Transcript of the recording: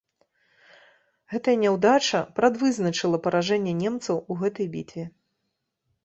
Гэтая няўдача прадвызначыла паражэнне немцаў у гэтай бітве.